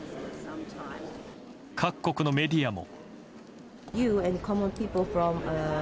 各国のメディアも。